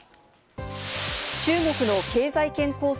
中国の経済圏構想